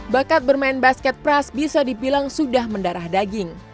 bakat bermain basket pras bisa dibilang sudah mendarah daging